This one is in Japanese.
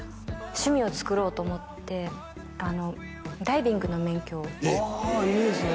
趣味をつくろうと思ってダイビングの免許をあいいですね